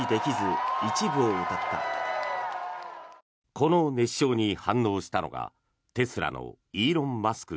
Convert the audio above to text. この熱唱に反応したのがテスラのイーロン・マスク